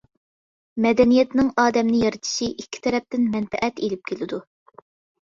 مەدەنىيەتنىڭ ئادەمنى يارىتىشى ئىككى تەرەپتىن مەنپەئەت ئېلىپ كېلىدۇ.